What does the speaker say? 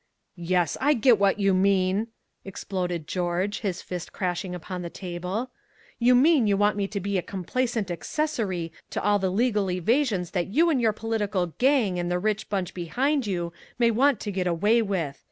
"Yes, I get what you mean!" exploded George, his fist crashing upon the table. "You mean you want me to be a complacent accessory to all the legal evasions that you and your political gang and the rich bunch behind you may want to get away with!